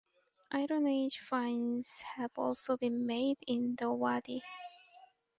Iron Age finds have also been made in the wadi.